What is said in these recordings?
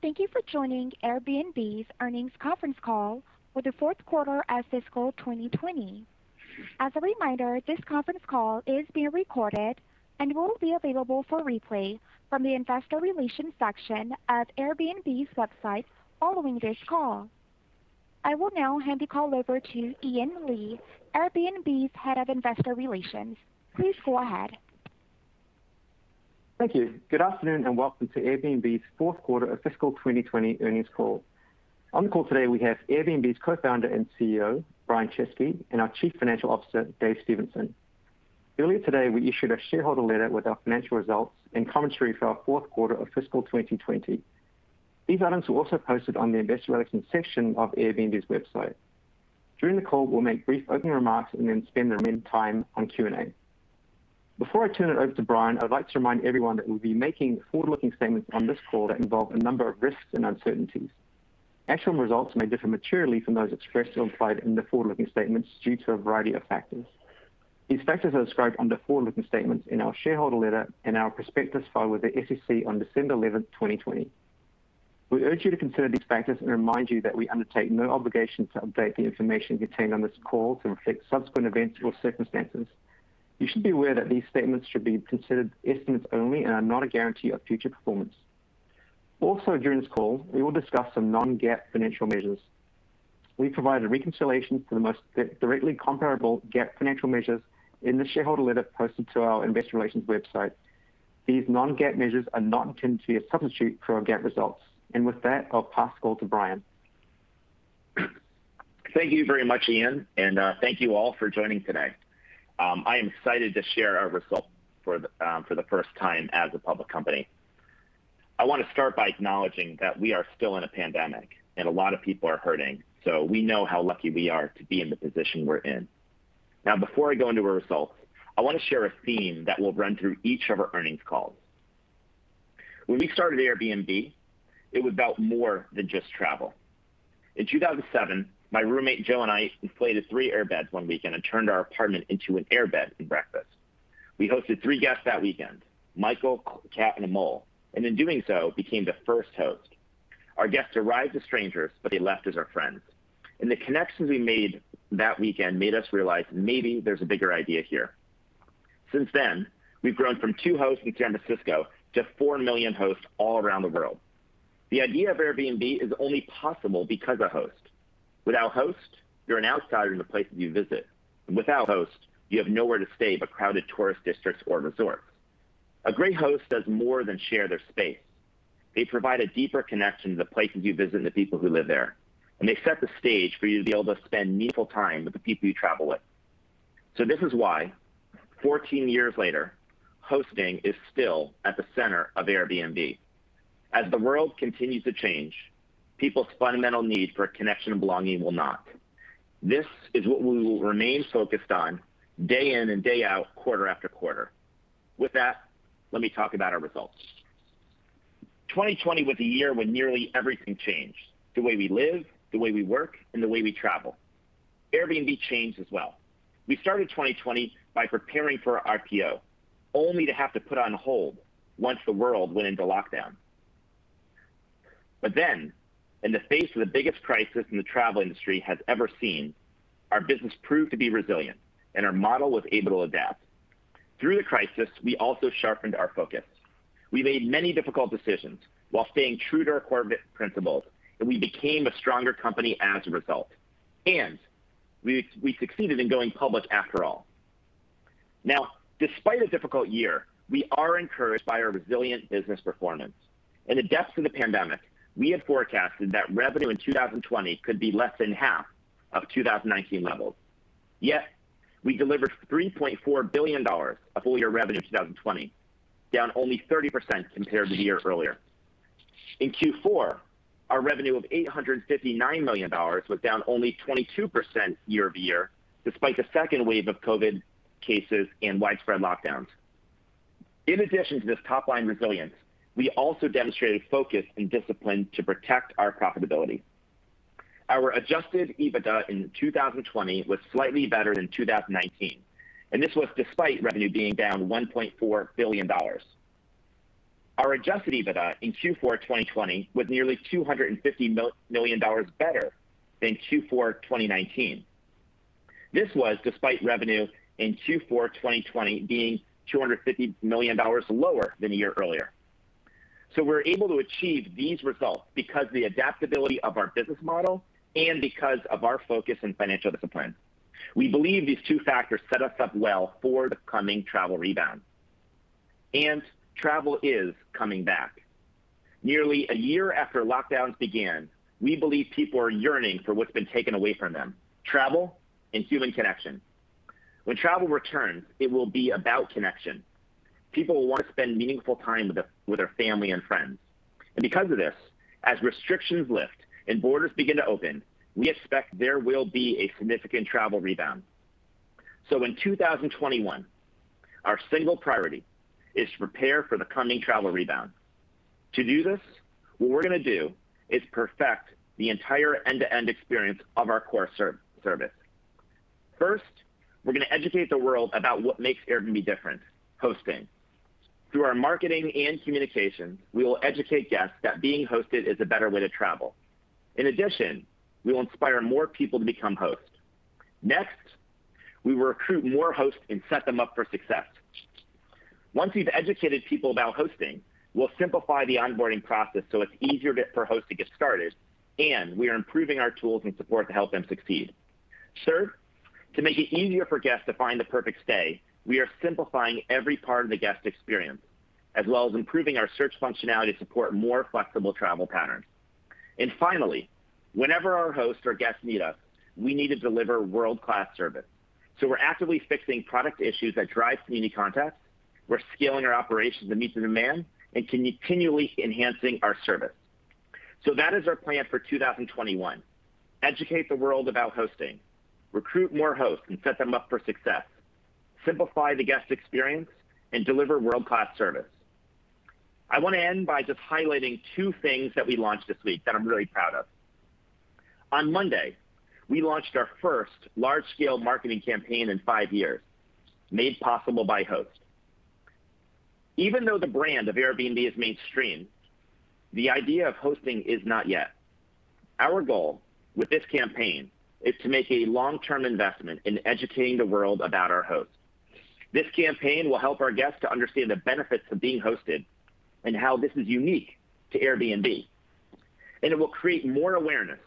Thank you for joining Airbnb's Earnings Conference Call for the Fourth Quarter of Fiscal 2020. As a reminder, this conference call is being recorded and will be available for replay from the investor relations section of Airbnb's website following this call. I will now hand the call over to Ian Lee, Airbnb's Head of Investor Relations. Please go ahead. Thank you. Good afternoon, and welcome to Airbnb's Fourth Quarter of Fiscal 2020 Earnings Call. On the call today, we have Airbnb's Co-founder and CEO, Brian Chesky, and our Chief Financial Officer, Dave Stephenson. Earlier today, we issued a shareholder letter with our financial results and commentary for our fourth quarter of fiscal 2020. These items were also posted on the investor relations section of Airbnb's website. During the call, we'll make brief opening remarks and then spend the remaining time on Q&A. Before I turn it over to Brian, I'd like to remind everyone that we'll be making forward-looking statements on this call that involve a number of risks and uncertainties. Actual results may differ materially from those expressed or implied in the forward-looking statements due to a variety of factors. These factors are described under forward-looking statements in our shareholder letter and our prospectus filed with the SEC on December 11th, 2020. We urge you to consider these factors and remind you that we undertake no obligation to update the information contained on this call to reflect subsequent events or circumstances. You should be aware that these statements should be considered estimates only and are not a guarantee of future performance. Also, during this call, we will discuss some non-GAAP financial measures. We provide a reconciliation to the most directly comparable GAAP financial measures in the shareholder letter posted to our investor relations website. These non-GAAP measures are not intended to be a substitute for our GAAP results. With that, I'll pass the call to Brian. Thank you very much, Ian, and thank you all for joining today. I am excited to share our results for the first time as a public company. I want to start by acknowledging that we are still in a pandemic, and a lot of people are hurting. We know how lucky we are to be in the position we're in. Now, before I go into our results, I want to share a theme that will run through each of our earnings calls. When we started Airbnb, it was about more than just travel. In 2007, my roommate Joe and I inflated three air beds one weekend and turned our apartment into an air bed and breakfast. We hosted three guests that weekend, Michael, Kat, and Amol, and in doing so, became the first host. Our guests arrived as strangers, but they left as our friends. The connections we made that weekend made us realize maybe there's a bigger idea here. Since then, we've grown from two hosts in San Francisco to four million hosts all around the world. The idea of Airbnb is only possible because of hosts. Without hosts, you're an outsider in the places you visit. Without hosts, you have nowhere to stay but crowded tourist districts or resorts. A great host does more than share their space. They provide a deeper connection to the places you visit and the people who live there, and they set the stage for you to be able to spend meaningful time with the people you travel with. This is why 14 years later, hosting is still at the center of Airbnb. As the world continues to change, people's fundamental need for connection and belonging will not. This is what we will remain focused on day in and day out, quarter after quarter. With that, let me talk about our results. 2020 was a year when nearly everything changed, the way we live, the way we work, and the way we travel. Airbnb changed as well. We started 2020 by preparing for our IPO, only to have to put on hold once the world went into lockdown. In the face of the biggest crisis the travel industry has ever seen, our business proved to be resilient, and our model was able to adapt. Through the crisis, we also sharpened our focus. We made many difficult decisions while staying true to our core principles, and we became a stronger company as a result, and we succeeded in going public after all. Now, despite a difficult year, we are encouraged by our resilient business performance. In the depths of the pandemic, we had forecasted that revenue in 2020 could be less than half of 2019 levels. Yet we delivered $3.4 billion of full-year revenue in 2020, down only 30% compared to the year earlier. In Q4, our revenue of $859 million was down only 22% year-over-year, despite the second wave of COVID cases and widespread lockdowns. In addition to this top-line resilience, we also demonstrated focus and discipline to protect our profitability. Our adjusted EBITDA in 2020 was slightly better than 2019, and this was despite revenue being down $1.4 billion. Our adjusted EBITDA in Q4 2020 was nearly $250 million better than Q4 2019. This was despite revenue in Q4 2020 being $250 million lower than a year earlier. We were able to achieve these results because of the adaptability of our business model and because of our focus and financial discipline. We believe these two factors set us up well for the coming travel rebound, and travel is coming back. Nearly a year after lockdowns began, we believe people are yearning for what's been taken away from them, travel and human connection. When travel returns, it will be about connection. People will want to spend meaningful time with their family and friends. Because of this, as restrictions lift and borders begin to open, we expect there will be a significant travel rebound. In 2021, our single priority is to prepare for the coming travel rebound. To do this, what we're going to do is perfect the entire end-to-end experience of our core service. First, we're going to educate the world about what makes Airbnb different, hosting. Through our marketing and communication, we will educate guests that being hosted is a better way to travel. In addition, we will inspire more people to become hosts. Next, we will recruit more hosts and set them up for success. Once we've educated people about hosting, we'll simplify the onboarding process so it's easier for hosts to get started, and we are improving our tools and support to help them succeed. Third, to make it easier for guests to find the perfect stay, we are simplifying every part of the guest experience, as well as improving our search functionality to support more flexible travel patterns. Finally, whenever our hosts or guests need us, we need to deliver world-class service. We're actively fixing product issues that drive community contacts, we're scaling our operations to meet the demand, and continually enhancing our service. That is our plan for 2021. Educate the world about hosting, recruit more hosts and set them up for success, simplify the guest experience, and deliver world-class service. I want to end by just highlighting two things that we launched this week that I'm really proud of. On Monday, we launched our first large-scale marketing campaign in five years, Made Possible by Hosts. Even though the brand of Airbnb is mainstream, the idea of hosting is not yet. Our goal with this campaign is to make a long-term investment in educating the world about our hosts. This campaign will help our guests to understand the benefits of being hosted and how this is unique to Airbnb. It will create more awareness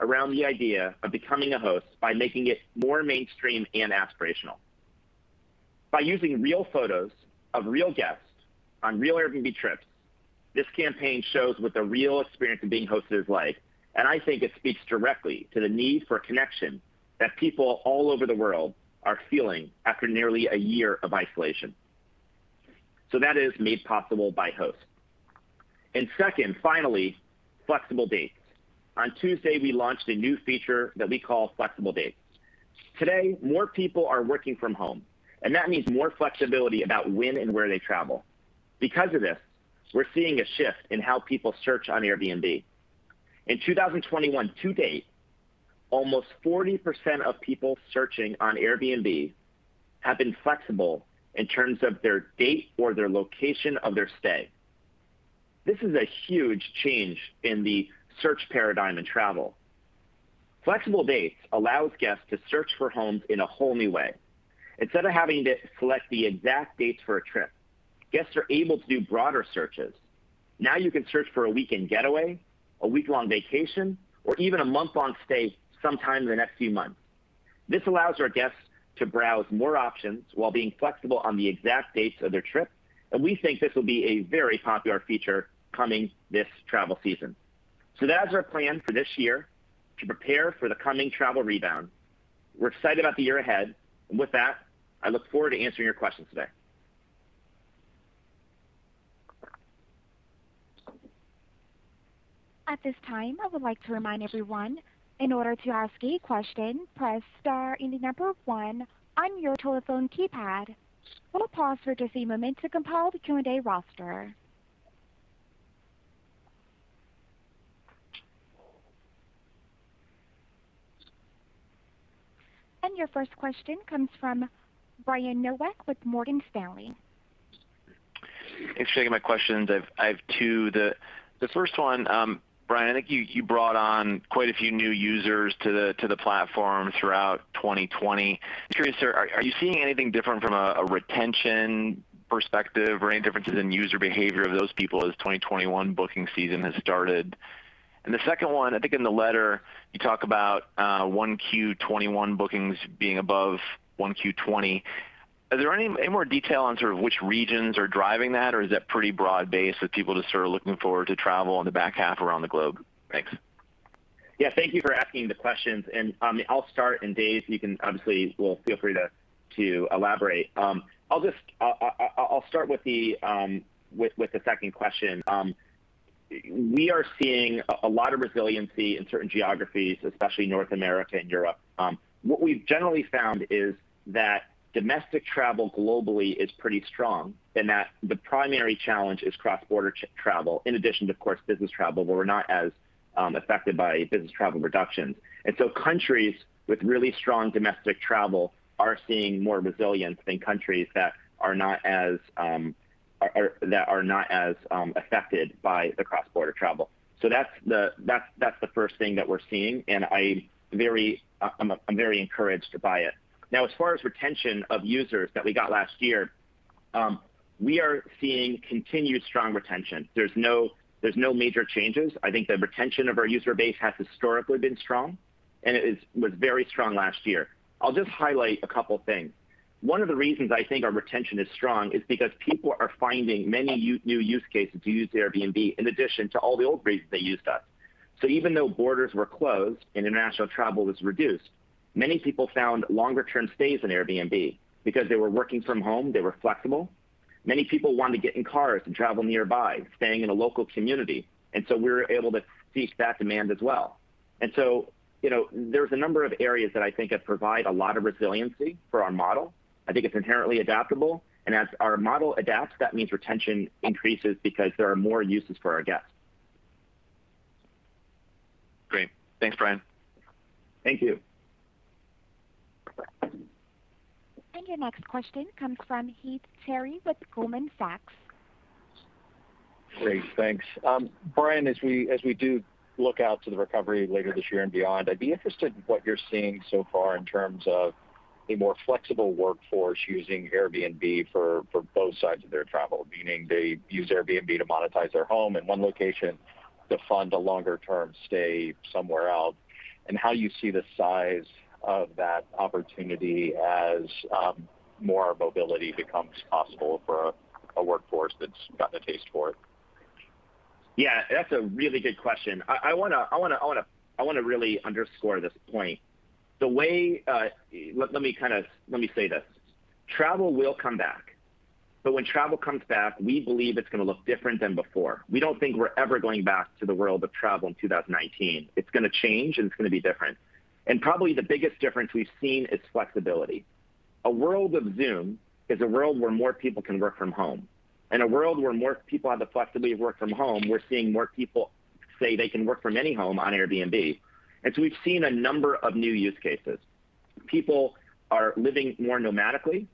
around the idea of becoming a host by making it more mainstream and aspirational. By using real photos of real guests on real Airbnb trips, this campaign shows what the real experience of being hosted is like, and I think it speaks directly to the need for connection that people all over the world are feeling after nearly a year of isolation. That is Made Possible by Hosts. Second, finally, Flexible Dates. On Tuesday, we launched a new feature that we call Flexible Dates. Today, more people are working from home, and that means more flexibility about when and where they travel. Because of this, we're seeing a shift in how people search on Airbnb. In 2021 to date, almost 40% of people searching on Airbnb have been flexible in terms of their date or their location of their stay. This is a huge change in the search paradigm in travel. Flexible Dates allows guests to search for homes in a whole new way. Instead of having to select the exact dates for a trip, guests are able to do broader searches. Now you can search for a weekend getaway, a week-long vacation, or even a month-long stay sometime in the next few months. This allows our guests to browse more options while being flexible on the exact dates of their trip, and we think this will be a very popular feature coming this travel season. That is our plan for this year to prepare for the coming travel rebound. We're excited about the year ahead. With that, I look forward to answering your questions today. At this time, I would like to remind everyone, in order to ask a question, press star and the number one on your telephone keypad. We'll pause for just a moment to compile the Q&A roster. Your first question comes from Brian Nowak with Morgan Stanley. Thanks for taking my questions. I have two. The first one, Brian, I think you brought on quite a few new users to the platform throughout 2020. Curious, are you seeing anything different from a retention perspective or any differences in user behavior of those people as 2021 booking season has started? The second one, I think in the letter, you talk about 1Q 2021 bookings being above 1Q 2020. Is there any more detail on sort of which regions are driving that, or is that pretty broad-based, with people just sort of looking forward to travel on the back half around the globe? Thanks. Yeah. Thank you for asking the questions. I'll start, and Dave, you can obviously feel free to elaborate. I'll start with the second question. We are seeing a lot of resiliency in certain geographies, especially North America and Europe. What we've generally found is that domestic travel globally is pretty strong, and that the primary challenge is cross-border travel, in addition to, of course, business travel, where we're not as affected by business travel reductions. Countries with really strong domestic travel are seeing more resilience than countries that are not as affected by the cross-border travel. That's the first thing that we're seeing, and I'm very encouraged by it. Now, as far as retention of users that we got last year, we are seeing continued strong retention. There's no major changes. I think the retention of our user base has historically been strong, and it was very strong last year. I'll just highlight a couple things. One of the reasons I think our retention is strong is because people are finding many new use cases to use Airbnb in addition to all the old reasons they used us. Even though borders were closed and international travel was reduced, many people found longer-term stays on Airbnb because they were working from home, they were flexible. Many people wanted to get in cars and travel nearby, staying in a local community. We were able to seize that demand as well. There's a number of areas that I think provide a lot of resiliency for our model. I think it's inherently adaptable. As our model adapts, that means retention increases because there are more uses for our guests. Great. Thanks, Brian. Thank you. Your next question comes from Heath Terry with Goldman Sachs. Great, thanks. Brian, as we do look out to the recovery later this year and beyond, I'd be interested in what you're seeing so far in terms of a more flexible workforce using Airbnb for both sides of their travel, meaning they use Airbnb to monetize their home in one location to fund a longer-term stay somewhere else, and how you see the size of that opportunity as more mobility becomes possible for a workforce that's gotten a taste for it? Yeah, that's a really good question. I want to really underscore this point. Let me say this. Travel will come back. When travel comes back, we believe it's going to look different than before. We don't think we're ever going back to the world of travel in 2019. It's going to change, and it's going to be different. Probably the biggest difference we've seen is flexibility. A world of Zoom is a world where more people can work from home. In a world where more people have the flexibility to work from home, we're seeing more people say they can work from any home on Airbnb. We've seen a number of new use cases. People are living more nomadically.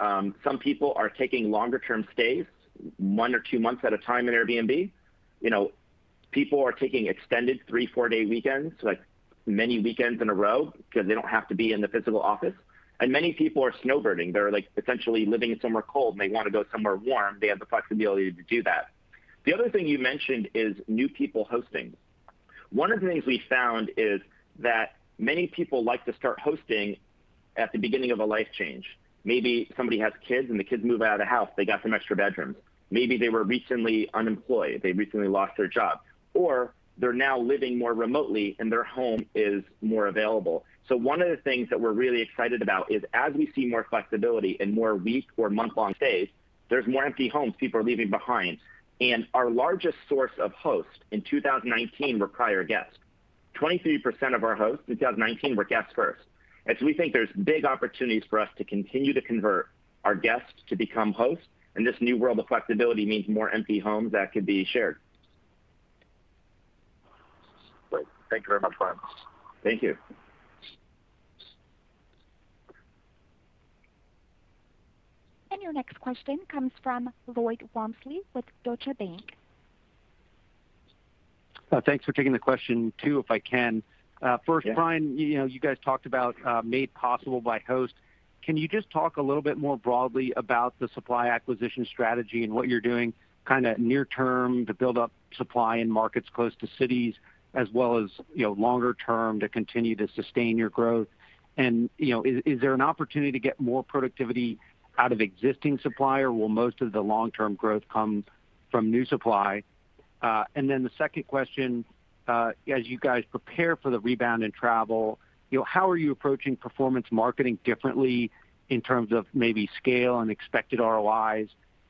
Some people are taking longer-term stays, one or two months at a time in Airbnb. People are taking extended three, four-day weekends, like many weekends in a row because they don't have to be in the physical office. Many people are snowbirding. They're essentially living somewhere cold and they want to go somewhere warm. They have the flexibility to do that. The other thing you mentioned is new people hosting. One of the things we found is that many people like to start hosting at the beginning of a life change. Maybe somebody has kids and the kids move out of the house, they got some extra bedrooms. Maybe they were recently unemployed, they recently lost their job. They're now living more remotely and their home is more available. One of the things that we're really excited about is as we see more flexibility and more week or month-long stays, there's more empty homes people are leaving behind. Our largest source of hosts in 2019 were prior guests. 23% of our hosts in 2019 were guests first. We think there's big opportunities for us to continue to convert our guests to become hosts, and this new world of flexibility means more empty homes that could be shared. Great. Thank you very much, Brian. Thank you. Your next question comes from Lloyd Walmsley with Deutsche Bank. Thanks for taking the question too, if I can. Yeah. Brian, you guys talked about Made Possible by Hosts. Can you just talk a little bit more broadly about the supply acquisition strategy and what you're doing near-term to build up supply in markets close to cities, as well as longer-term to continue to sustain your growth? Is there an opportunity to get more productivity out of existing supply, or will most of the long-term growth come from new supply? The second question, as you guys prepare for the rebound in travel, how are you approaching performance marketing differently in terms of maybe scale and expected ROIs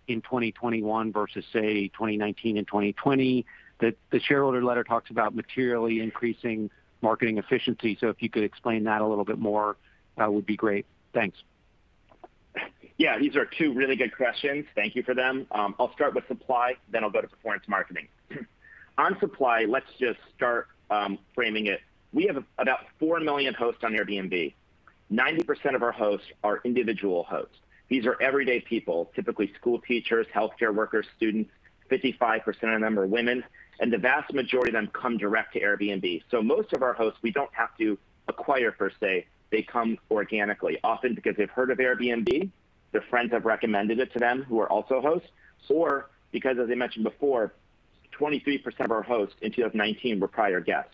in 2021 versus, say, 2019 and 2020? The shareholder letter talks about materially increasing marketing efficiency. If you could explain that a little bit more, that would be great. Thanks. Yeah, these are two really good questions. Thank you for them. I'll start with supply, then I'll go to performance marketing. On supply, let's just start framing it. We have about four million hosts on Airbnb. 90% of our hosts are individual hosts. These are everyday people, typically school teachers, healthcare workers, students. 55% of them are women, and the vast majority of them come direct to Airbnb. Most of our hosts, we don't have to acquire per se. They come organically, often because they've heard of Airbnb, their friends have recommended it to them, who are also hosts, or because, as I mentioned before, 23% of our hosts in 2019 were prior guests.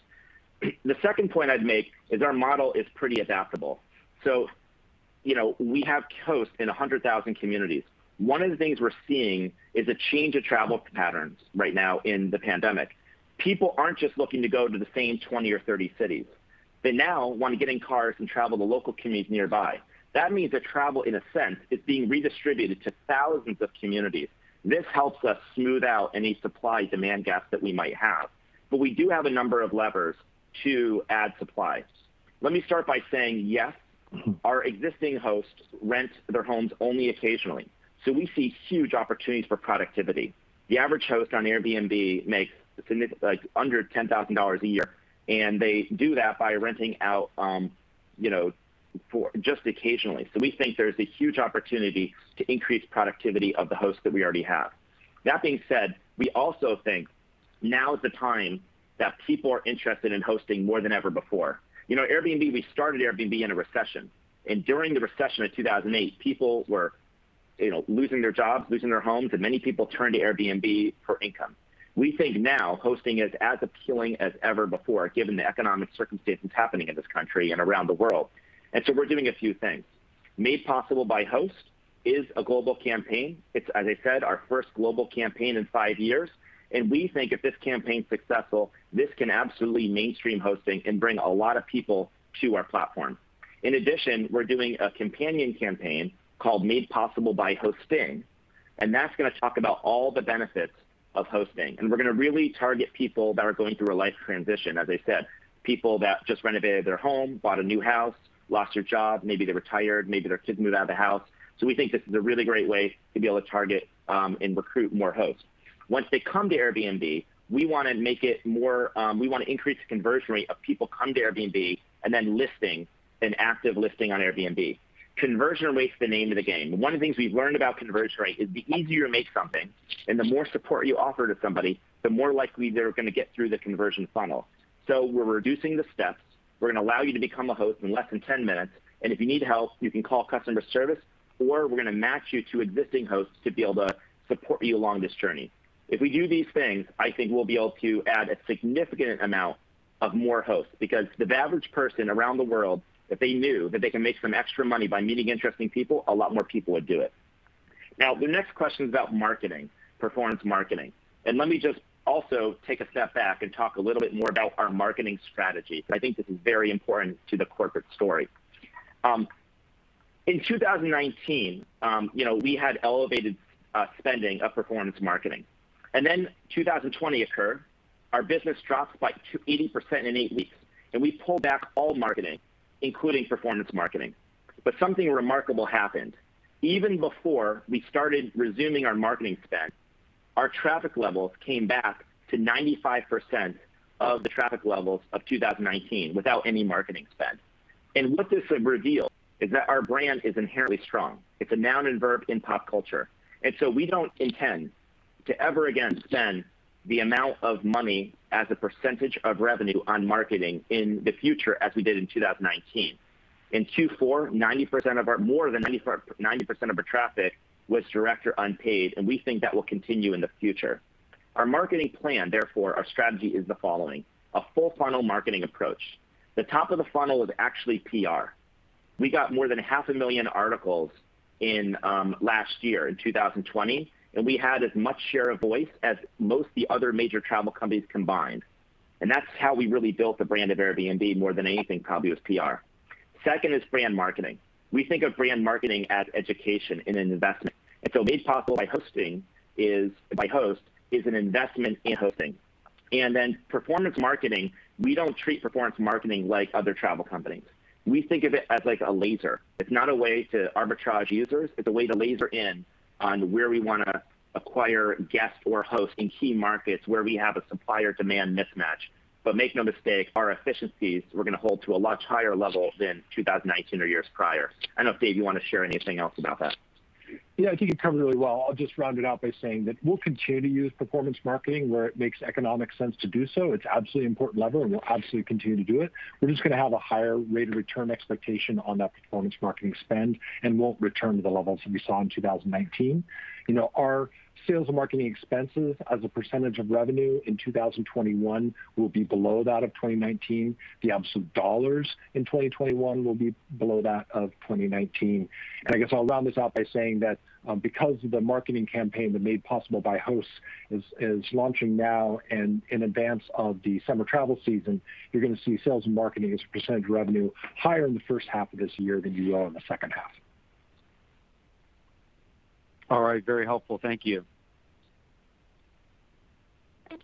The second point I'd make is our model is pretty adaptable. We have hosts in 100,000 communities. One of the things we're seeing is a change of travel patterns right now in the pandemic. People aren't just looking to go to the same 20 or 30 cities. They now want to get in cars and travel to local communities nearby. That means that travel, in a sense, is being redistributed to thousands of communities. This helps us smooth out any supply-demand gaps that we might have. We do have a number of levers to add supply. Let me start by saying yes, our existing hosts rent their homes only occasionally. We see huge opportunities for productivity. The average host on Airbnb makes under $10,000 a year, and they do that by renting out just occasionally. We think there's a huge opportunity to increase productivity of the hosts that we already have. That being said, we also think now is the time that people are interested in hosting more than ever before. Airbnb, we started Airbnb in a recession. During the recession of 2008, people were losing their jobs, losing their homes, and many people turned to Airbnb for income. We think now hosting is as appealing as ever before, given the economic circumstances happening in this country and around the world. We're doing a few things. Made Possible by Hosts is a global campaign. It's, as I said, our first global campaign in five years. We think if this campaign's successful, this can absolutely mainstream hosting and bring a lot of people to our platform. In addition, we're doing a companion campaign called Made Possible by Hosting. That's going to talk about all the benefits of hosting. We're going to really target people that are going through a life transition, as I said, people that just renovated their home, bought a new house, lost their job, maybe they retired, maybe their kids moved out of the house. We think this is a really great way to be able to target and recruit more hosts. Once they come to Airbnb, we want to make it more, we want to increase the conversion rate of people come to Airbnb and then listing, an active listing on Airbnb. Conversion rate is the name of the game. One of the things we've learned about conversion rate is the easier you make something, and the more support you offer to somebody, the more likely they're going to get through the conversion funnel. We're reducing the steps. We're going to allow you to become a host in less than 10 minutes. If you need help, you can call customer service, or we're going to match you to existing hosts to be able to support you along this journey. If we do these things, I think we'll be able to add a significant amount of more hosts because if the average person around the world, if they knew that they can make some extra money by meeting interesting people, a lot more people would do it. The next question is about marketing, performance marketing. Let me just also take a step back and talk a little bit more about our marketing strategy. I think this is very important to the corporate story. In 2019, we had elevated spending of performance marketing. 2020 occurred. Our business dropped by 80% in eight weeks. We pulled back all marketing, including performance marketing. Something remarkable happened. Even before we started resuming our marketing spend, our traffic levels came back to 95% of the traffic levels of 2019 without any marketing spend. What this revealed is that our brand is inherently strong. It's a noun and verb in pop culture. We don't intend to ever again spend the amount of money as a percentage of revenue on marketing in the future as we did in 2019. In Q4, more than 90% of our traffic was direct or unpaid. We think that will continue in the future. Our marketing plan, therefore, our strategy is the following, a full-funnel marketing approach. The top of the funnel is actually PR. We got more than half a million articles in last year, in 2020, we had as much share of voice as most of the other major travel companies combined. That's how we really built the brand of Airbnb more than anything, probably, was PR. Second is brand marketing. We think of brand marketing as education and an investment. Made Possible by Hosting is by host is an investment in hosting. Performance marketing, we don't treat performance marketing like other travel companies. We think of it as a laser. It's not a way to arbitrage users. It's a way to laser in on where we want to acquire guests or hosts in key markets where we have a supplier-demand mismatch. Make no mistake, our efficiencies, we're going to hold to a much higher level than 2019 or years prior. I don't know if, Dave, you want to share anything else about that. Yeah. I think you covered it really well. I'll just round it out by saying that we'll continue to use performance marketing where it makes economic sense to do so. It's absolutely important lever. We'll absolutely continue to do it. We're just going to have a higher rate of return expectation on that performance marketing spend. Won't return to the levels that we saw in 2019. Our sales and marketing expenses as a percentage of revenue in 2021 will be below that of 2019. The absolute dollars in 2021 will be below that of 2019. I guess I'll round this out by saying that because of the marketing campaign that Made Possible by Hosts is launching now and in advance of the summer travel season, you're going to see sales and marketing as a percent of revenue higher in the first half of this year than you will in the second half. All right. Very helpful. Thank you.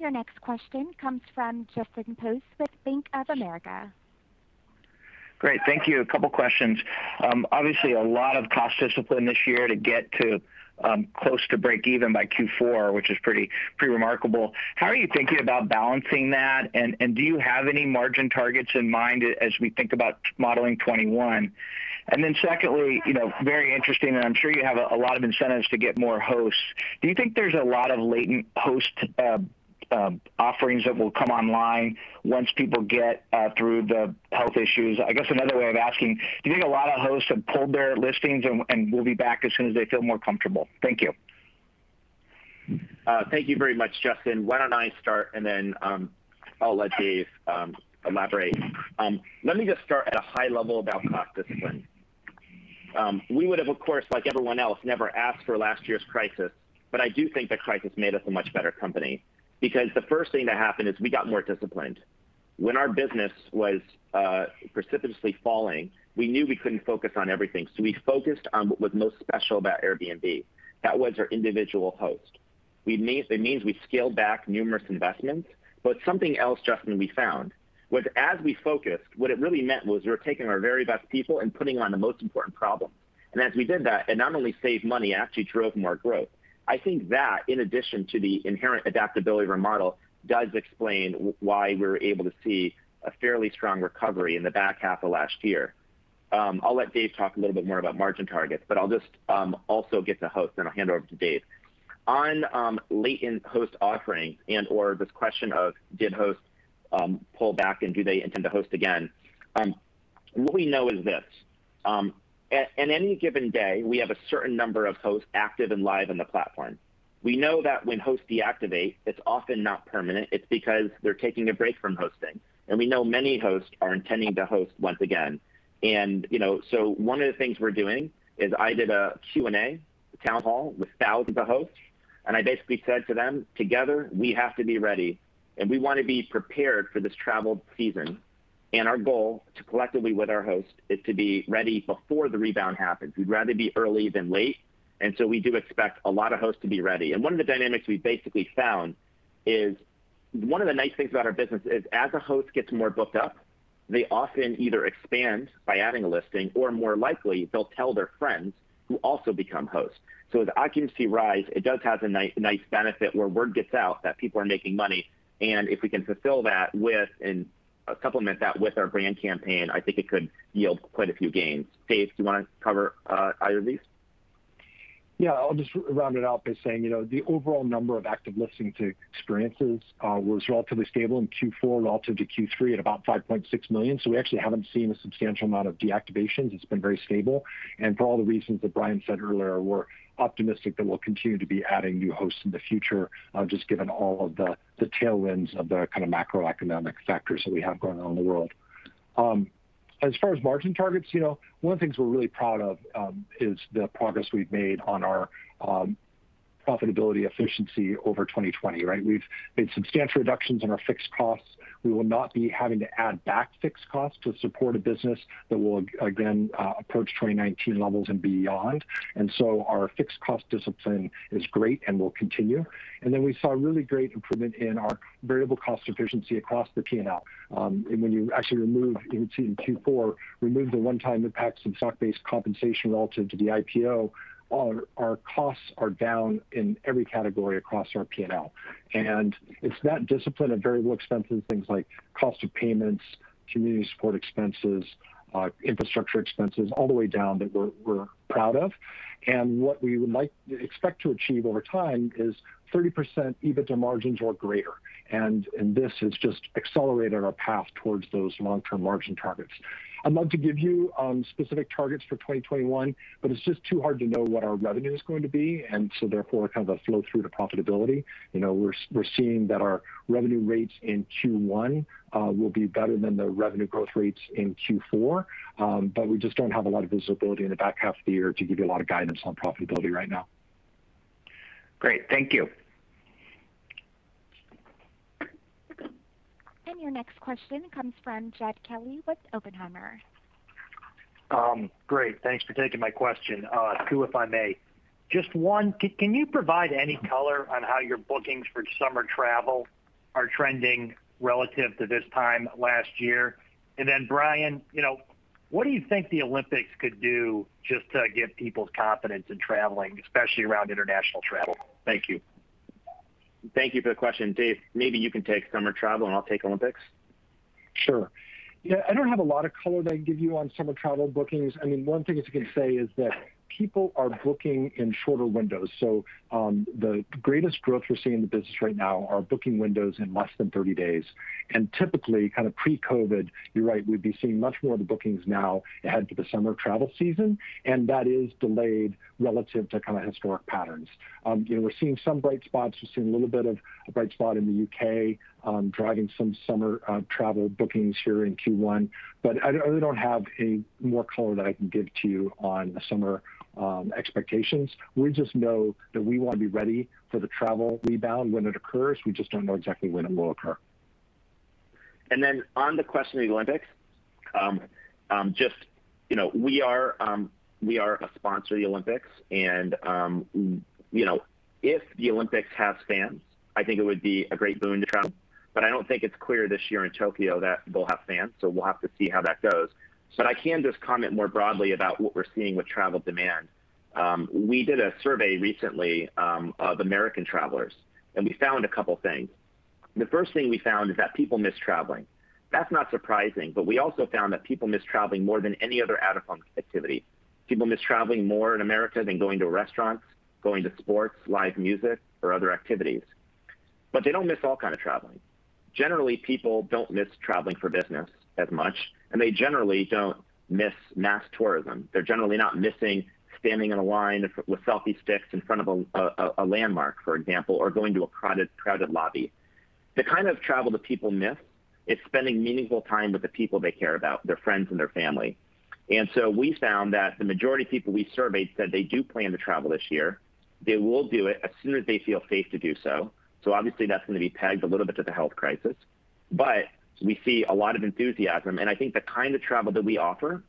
Your next question comes from Justin Post with Bank of America. Great. Thank you. A couple questions. Obviously, a lot of cost discipline this year to get to close to breakeven by Q4, which is pretty remarkable. How are you thinking about balancing that, and do you have any margin targets in mind as we think about modeling 2021? Secondly, very interesting, and I'm sure you have a lot of incentives to get more hosts. Do you think there's a lot of latent host offerings that will come online once people get through the health issues? I guess another way of asking, do you think a lot of hosts have pulled their listings and will be back as soon as they feel more comfortable? Thank you. Thank you very much, Justin. Why don't I start, and then I'll let Dave elaborate. Let me just start at a high level about cost discipline. We would have, of course, like everyone else, never asked for last year's crisis. I do think the crisis made us a much better company because the first thing that happened is we got more disciplined. When our business was precipitously falling, we knew we couldn't focus on everything. We focused on what was most special about Airbnb. That was our individual host. It means we scaled back numerous investments. Something else, Justin, we found was as we focused, what it really meant was we were taking our very best people and putting them on the most important problem. As we did that, it not only saved money, it actually drove more growth. I think that, in addition to the inherent adaptability of our model, does explain why we were able to see a fairly strong recovery in the back half of last year. I'll let Dave talk a little bit more about margin targets, but I'll just also get to hosts, then I'll hand it over to Dave. On latent host offerings and/or this question of did hosts pull back and do they intend to host again, what we know is this. At any given day, we have a certain number of hosts active and live on the platform. We know that when hosts deactivate, it's often not permanent. It's because they're taking a break from hosting, and we know many hosts are intending to host once again. One of the things we're doing is I did a Q&A town hall with thousands of hosts, and I basically said to them, "Together, we have to be ready, and we want to be prepared for this travel season." Our goal, collectively with our host, is to be ready before the rebound happens. We'd rather be early than late. We do expect a lot of hosts to be ready. One of the dynamics we basically found is, one of the nice things about our business is as a host gets more booked up, they often either expand by adding a listing or, more likely, they'll tell their friends, who also become hosts. As occupancy rises, it does have a nice benefit where word gets out that people are making money. If we can fulfill that and complement that with our brand campaign, I think it could yield quite a few gains. Dave, do you want to cover either of these? Yeah, I'll just round it out by saying, the overall number of active listings and experiences was relatively stable in Q4 relative to Q3 at about 5.6 million. We actually haven't seen a substantial amount of deactivations. It's been very stable. For all the reasons that Brian said earlier, we're optimistic that we'll continue to be adding new hosts in the future, just given all of the tailwinds of the macroeconomic factors that we have going on in the world. As far as margin targets, one of the things we're really proud of is the progress we've made on our profitability efficiency over 2020. We've made substantial reductions in our fixed costs. We will not be having to add back fixed costs to support a business that will, again, approach 2019 levels and beyond. Our fixed cost discipline is great and will continue. Then we saw really great improvement in our variable cost efficiency across the P&L. When you actually remove in Q4, remove the one-time impacts of stock-based compensation relative to the IPO, our costs are down in every category across our P&L. It's that discipline of variable expenses, things like cost of payments, community support expenses, infrastructure expenses, all the way down, that we're proud of. What we would expect to achieve over time is 30% EBITDA margins or greater. This has just accelerated our path towards those long-term margin targets. I'd love to give you specific targets for 2021, but it's just too hard to know what our revenue is going to be, and so therefore, kind of the flow through to profitability. We're seeing that our revenue rates in Q1 will be better than the revenue growth rates in Q4, but we just don't have a lot of visibility in the back half of the year to give you a lot of guidance on profitability right now. Great. Thank you. Your next question comes from Jed Kelly with Oppenheimer. Great. Thanks for taking my question. Two, if I may. Just one, can you provide any color on how your bookings for summer travel are trending relative to this time last year? Then, Brian, what do you think the Olympics could do just to give people confidence in traveling, especially around international travel? Thank you. Thank you for the question. Dave, maybe you can take summer travel, and I'll take Olympics. Sure. I don't have a lot of color that I can give you on summer travel bookings. One thing I can say is that people are booking in shorter windows. The greatest growth we're seeing in the business right now are booking windows in less than 30 days. Typically, pre-COVID, you're right, we'd be seeing much more of the bookings now ahead to the summer travel season, and that is delayed relative to historic patterns. We're seeing some bright spots. We're seeing a little bit of a bright spot in the U.K., driving some summer travel bookings here in Q1. I really don't have any more color that I can give to you on the summer expectations. We just know that we want to be ready for the travel rebound when it occurs. We just don't know exactly when it will occur. Then on the question of the Olympics, we are a sponsor of the Olympics, and if the Olympics has fans, I think it would be a great boon to travel, but I don't think it's clear this year in Tokyo that we'll have fans, so we'll have to see how that goes. I can just comment more broadly about what we're seeing with travel demand. We did a survey recently of American travelers, and we found a couple things. The first thing we found is that people miss traveling. That's not surprising, but we also found that people miss traveling more than any other out-of-home activity. People miss traveling more in America than going to restaurants, going to sports, live music, or other activities. They don't miss all kind of traveling. Generally, people don't miss traveling for business as much, and they generally don't miss mass tourism. They're generally not missing standing in a line with selfie sticks in front of a landmark, for example, or going to a crowded lobby. The kind of travel that people miss is spending meaningful time with the people they care about, their friends and their family. We found that the majority of people we surveyed said they do plan to travel this year. They will do it as soon as they feel safe to do so. Obviously, that's going to be pegged a little bit to the health crisis. We see a lot of enthusiasm, and I think the kind of travel that we offer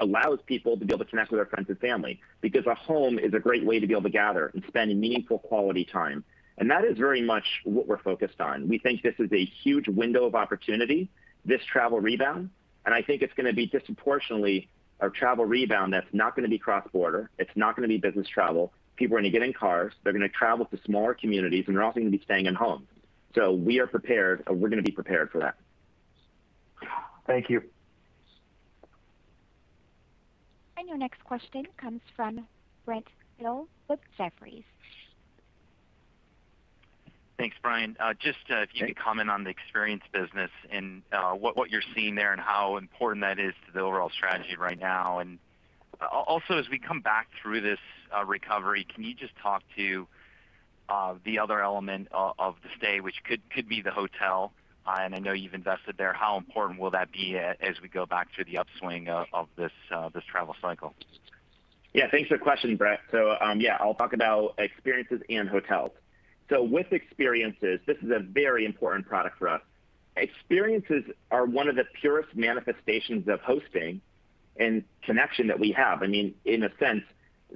allows people to be able to connect with their friends and family because a home is a great way to be able to gather and spend meaningful quality time, and that is very much what we're focused on. We think this is a huge window of opportunity, this travel rebound. I think it's going to be disproportionately a travel rebound that's not going to be cross-border. It's not going to be business travel. People are going to get in cars, they're going to travel to smaller communities, and they're also going to be staying in homes. We are prepared, or we're going to be prepared for that. Thank you. Your next question comes from Brent Thill with Jefferies. Thanks, Brian. Just if you could comment on the Experiences business and what you're seeing there and how important that is to the overall strategy right now. Also, as we come back through this recovery, can you just talk to the other element of the stay, which could be the hotel? I know you've invested there. How important will that be as we go back to the upswing of this travel cycle? Yeah. Thanks for the question, Brent. I'll talk about experiences and hotels. With experiences, this is a very important product for us. Experiences are one of the purest manifestations of hosting and connection that we have. In a sense,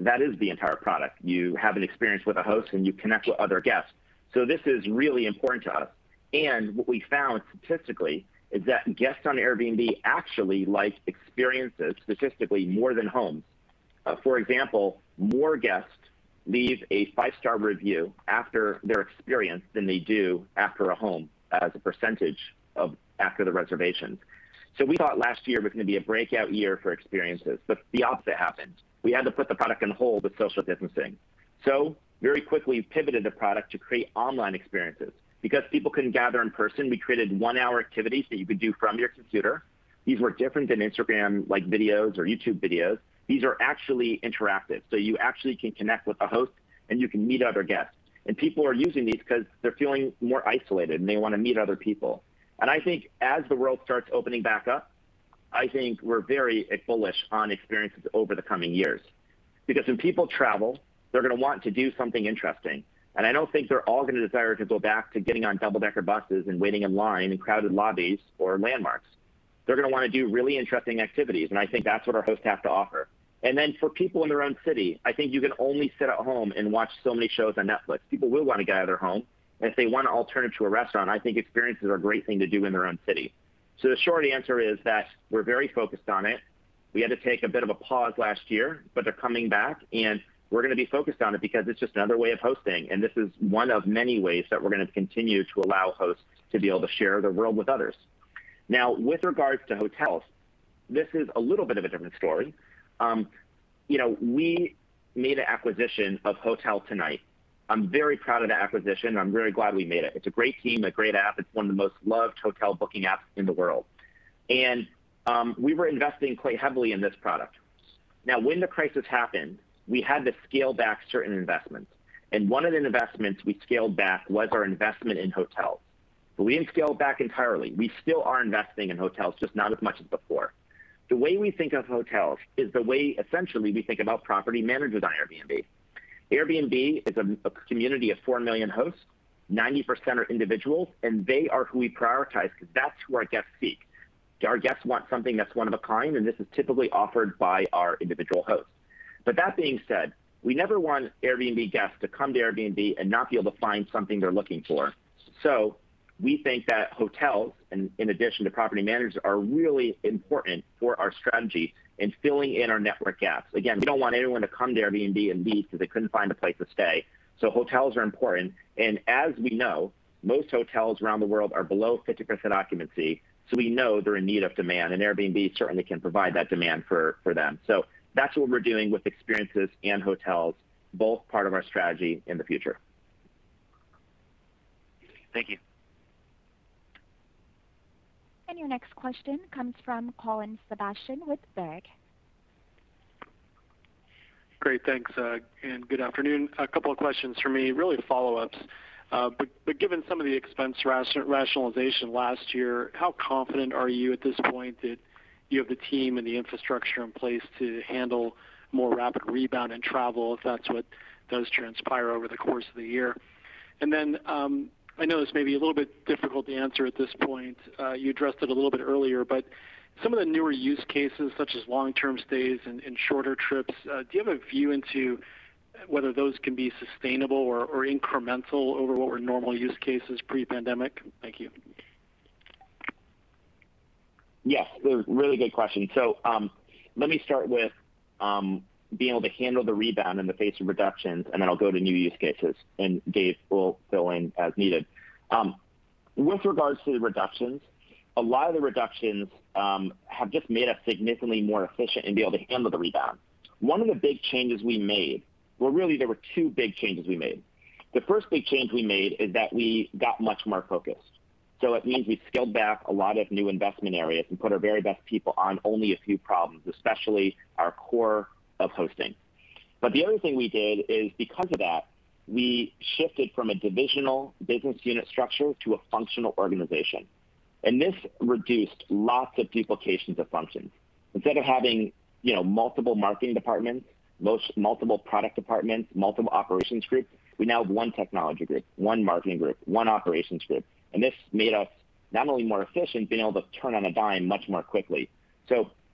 that is the entire product. You have an experience with a host, and you connect with other guests. This is really important to us. What we found statistically is that guests on Airbnb actually like experiences statistically more than homes. For example, more guests leave a five-star review after their experience than they do after a home as a percentage after the reservations. We thought last year was going to be a breakout year for experiences, but the opposite happened. We had to put the product on hold with social distancing. Very quickly pivoted the product to create online experiences. People couldn't gather in person, we created one-hour activities that you could do from your computer. These were different than Instagram videos or YouTube videos. These are actually interactive, you actually can connect with a host, and you can meet other guests. People are using these because they're feeling more isolated, and they want to meet other people. I think as the world starts opening back up, I think we're very bullish on Experiences over the coming years. When people travel, they're going to want to do something interesting, and I don't think they're all going to desire to go back to getting on double-decker buses and waiting in line in crowded lobbies or landmarks. They're going to want to do really interesting activities, and I think that's what our hosts have to offer. Then for people in their own city, I think you can only sit at home and watch so many shows on Netflix. People will want to get out of their home, and if they want an alternative to a restaurant, I think experiences are a great thing to do in their own city. The short answer is that we're very focused on it. We had to take a bit of a pause last year, but they're coming back, and we're going to be focused on it because it's just another way of hosting, and this is one of many ways that we're going to continue to allow hosts to be able to share the world with others. Now, with regards to hotels, this is a little bit of a different story. We made an acquisition of HotelTonight. I'm very proud of the acquisition. I'm very glad we made it. It's a great team, a great app. It's one of the most loved hotel booking apps in the world. We were investing quite heavily in this product. Now, when the crisis happened, we had to scale back certain investments, and one of the investments we scaled back was our investment in hotels. We didn't scale back entirely. We still are investing in hotels, just not as much as before. The way we think of hotels is the way, essentially, we think about property managers on Airbnb. Airbnb is a community of four million hosts, 90% are individuals, and they are who we prioritize because that's who our guests seek. Our guests want something that's one of a kind, and this is typically offered by our individual hosts. That being said, we never want Airbnb guests to come to Airbnb and not be able to find something they're looking for. We think that hotels, in addition to property managers, are really important for our strategy in filling in our network gaps. Again, we don't want anyone to come to Airbnb and leave because they couldn't find a place to stay. Hotels are important. As we know, most hotels around the world are below 50% occupancy. We know they're in need of demand, and Airbnb certainly can provide that demand for them. That's what we're doing with Experiences and hotels, both part of our strategy in the future. Thank you. Your next question comes from Colin Sebastian with Baird. Great. Thanks, good afternoon. A couple of questions from me, really follow-ups. Given some of the expense rationalization last year, how confident are you at this point that you have the team and the infrastructure in place to handle more rapid rebound in travel, if that's what does transpire over the course of the year? I know this may be a little bit difficult to answer at this point. You addressed it a little bit earlier, some of the newer use cases, such as long-term stays and shorter trips, do you have a view into whether those can be sustainable or incremental over what were normal use cases pre-pandemic? Thank you. Yes. A really good question. Let me start with being able to handle the rebound in the face of reductions, and then I'll go to new use cases, and Dave will fill in as needed. With regards to the reductions, a lot of the reductions have just made us significantly more efficient and be able to handle the rebound. One of the big changes we made, well, really, there were two big changes we made. The first big change we made is that we got much more focused. It means we scaled back a lot of new investment areas and put our very best people on only a few problems, especially our core of hosting. The other thing we did is, because of that, we shifted from a divisional business unit structure to a functional organization, and this reduced lots of duplications of functions. Instead of having multiple marketing departments, multiple product departments, multiple operations groups, we now have one technology group, one marketing group, one operations group. This made us not only more efficient, being able to turn on a dime much more quickly.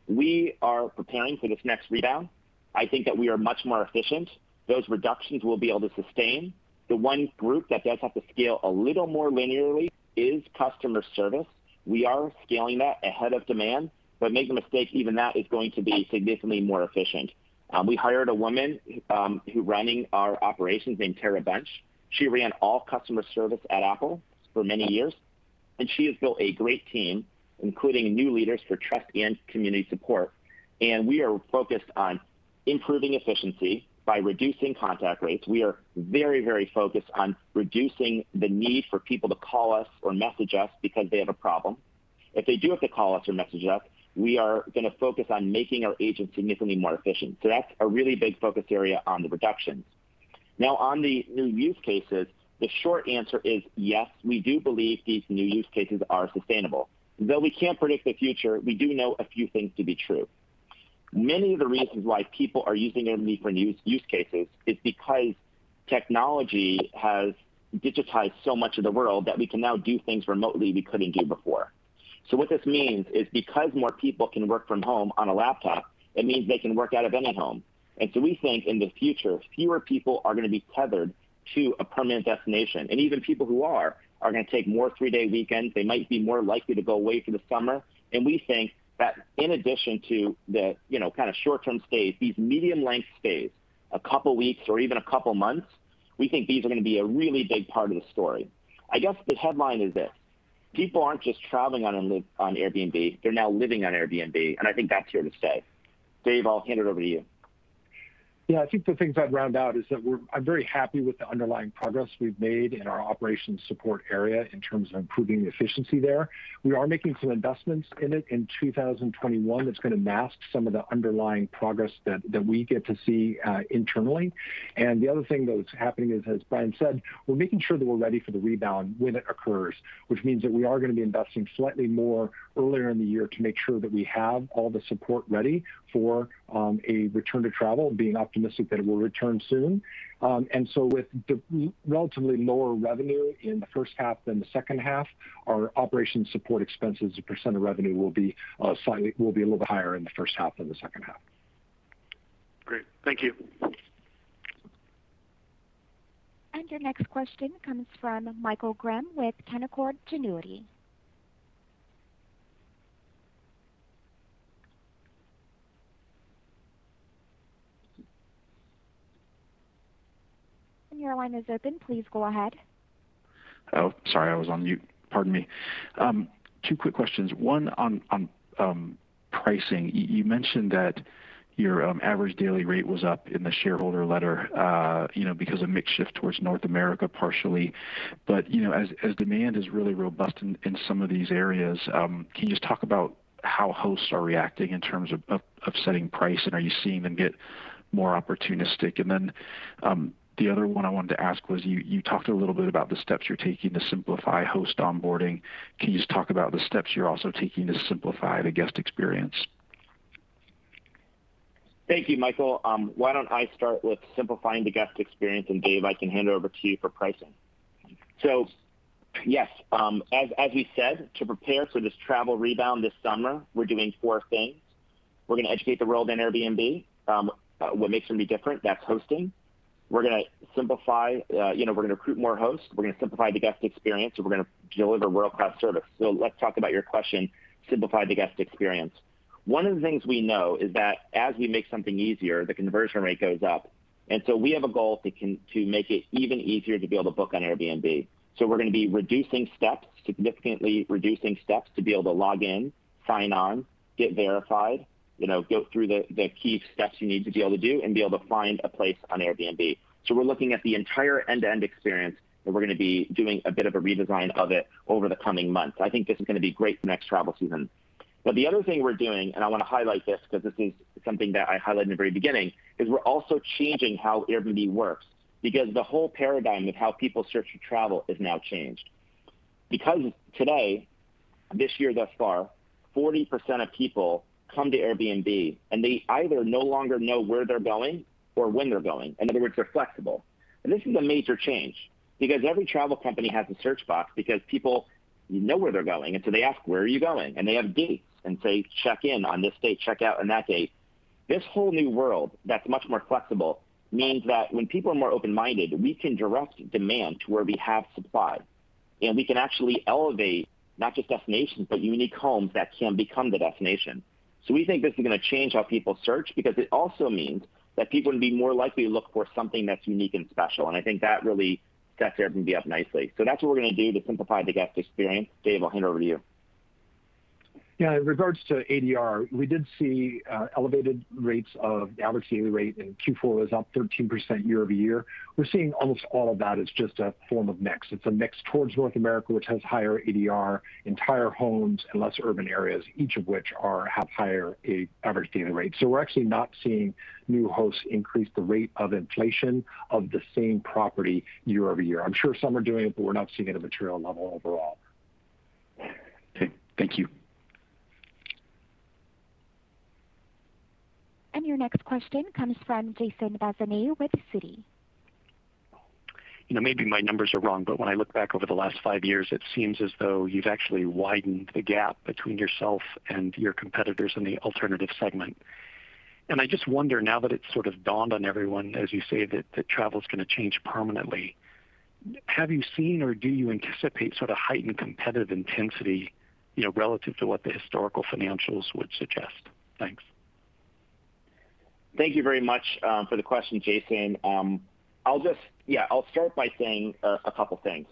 We are preparing for this next rebound. I think that we are much more efficient. Those reductions we'll be able to sustain. The one group that does have to scale a little more linearly is customer service. We are scaling that ahead of demand. Make no mistake, even that is going to be significantly more efficient. We hired a woman who running our operations named Tara Bunch. She ran all customer service at Apple for many years. She has built a great team, including new leaders for trust and community support. We are focused on improving efficiency by reducing contact rates. We are very focused on reducing the need for people to call us or message us because they have a problem. If they do have to call us or message us, we are going to focus on making our agents significantly more efficient. That's a really big focus area on the reductions. On the new use cases, the short answer is yes, we do believe these new use cases are sustainable. Though we can't predict the future, we do know a few things to be true. Many of the reasons why people are using Airbnb for new use cases is because technology has digitized so much of the world that we can now do things remotely we couldn't do before. What this means is because more people can work from home on a laptop, it means they can work out of any home. We think in the future, fewer people are going to be tethered to a permanent destination, and even people who are going to take more three-day weekends. They might be more likely to go away for the summer. We think that in addition to the short-term stays, these medium-length stays, a couple of weeks or even a couple of months, we think these are going to be a really big part of the story. I guess the headline is this, people aren't just traveling on Airbnb, they're now living on Airbnb, and I think that's here to stay. Dave, I'll hand it over to you. Yeah. I think the things I'd round out is that I'm very happy with the underlying progress we've made in our operations support area in terms of improving the efficiency there. We are making some investments in it in 2021 that's going to mask some of the underlying progress that we get to see internally. The other thing that's happening is, as Brian said, we're making sure that we're ready for the rebound when it occurs, which means that we are going to be investing slightly more earlier in the year to make sure that we have all the support ready for a return to travel, being optimistic that it will return soon. With the relatively lower revenue in the first half than the second half, our operations support expenses percent of revenue will be a little bit higher in the first half than the second half. Great. Thank you. Your next question comes from Michael Graham with Canaccord Genuity. Your line is open. Please go ahead. Oh, sorry, I was on mute. Pardon me. Two quick questions. One on pricing. You mentioned that your average daily rate was up in the shareholder letter because of mix shift towards North America partially. As demand is really robust in some of these areas, can you just talk about how hosts are reacting in terms of setting price, and are you seeing them get more opportunistic? Then, the other one I wanted to ask was, you talked a little bit about the steps you're taking to simplify host onboarding. Can you just talk about the steps you're also taking to simplify the guest experience? Thank you, Michael. Why don't I start with simplifying the guest experience? Dave, I can hand over to you for pricing. Yes. As we said, to prepare for this travel rebound this summer, we're doing four things. We're going to educate the world on Airbnb. What makes Airbnb different? That's hosting. We're going to recruit more hosts. We're going to simplify the guest experience, and we're going to deliver world-class service. Let's talk about your question, simplify the guest experience. One of the things we know is that as we make something easier, the conversion rate goes up. We have a goal to make it even easier to be able to book on Airbnb. We're going to be reducing steps, significantly reducing steps to be able to log in, sign on, get verified, go through the key steps you need to be able to do, and be able to find a place on Airbnb. We're looking at the entire end-to-end experience, and we're going to be doing a bit of a redesign of it over the coming months. I think this is going to be great for next travel season. The other thing we're doing, and I want to highlight this because this is something that I highlighted in the very beginning, is we're also changing how Airbnb works because the whole paradigm of how people search for travel is now changed. Today, this year thus far, 40% of people come to Airbnb, and they either no longer know where they're going or when they're going. In other words, they're flexible. This is a major change because every travel company has a search box because people know where they're going, and so they ask, "Where are you going?" They have dates, and say, "Check-in on this date, check out on that date." This whole new world that's much more flexible means that when people are more open-minded, we can direct demand to where we have supply, and we can actually elevate not just destinations, but unique homes that can become the destination. We think this is going to change how people search, because it also means that people will be more likely to look for something that's unique and special, and I think that really sets Airbnb up nicely. That's what we're going to do to simplify the guest experience. Dave, I'll hand over to you. Yeah. In regards to ADR, we did see elevated rates of the average daily rate, and Q4 was up 13% year-over-year. We're seeing almost all of that as just a form of mix. It's a mix towards North America, which has higher ADR, entire homes, and less urban areas, each of which have higher average daily rate. We're actually not seeing new hosts increase the rate of inflation of the same property year-over-year. I'm sure some are doing it, but we're not seeing it at a material level overall. Okay. Thank you. Your next question comes from Jason Bazinet with Citi. You know, maybe my numbers are wrong but when I look back over the last five years, it seems as though you've actually widened the gap between yourself and your competitors in the alternative segment. I just wonder now that it's sort of dawned on everyone, as you say, that travel is going to change permanently. Have you seen or do you anticipate sort of heightened competitive intensity relative to what the historical financials would suggest? Thanks. Thank you very much for the question, Jason. I'll start by saying a couple of things.